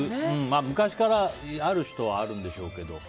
昔からある人はあるんでしょうけど。